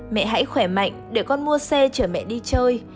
mẹ hãy khỏe mạnh để con mua xe chở mẹ đi chơi